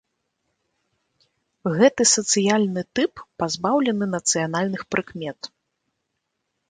Гэты сацыяльны тып пазбаўлены нацыянальных прыкмет.